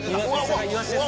イワシです。